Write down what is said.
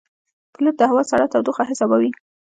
پیلوټ د هوا سړه تودوخه حسابوي.